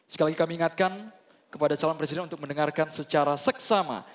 sekali lagi kami ingatkan kepada calon presiden untuk mendengarkan secara seksama